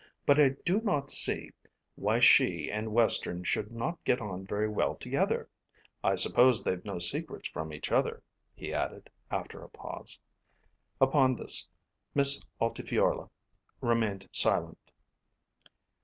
But I do not see why she and Western should not get on very well together. I suppose they've no secrets from each other," he added after a pause. Upon this Miss Altifiorla remained silent.